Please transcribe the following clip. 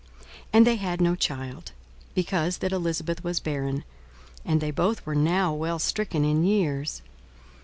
42:001:007 And they had no child, because that Elisabeth was barren, and they both were now well stricken in years.